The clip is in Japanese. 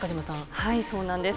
はい、そうなんです。